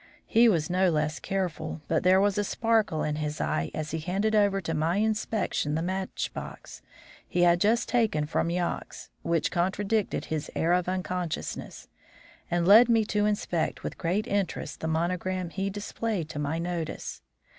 He was no less careful, but there was a sparkle in his eye as he handed over to my inspection the match box he had just taken from Yox, which contradicted his air of unconsciousness, and led me to inspect with great interest the monogram he displayed to my notice.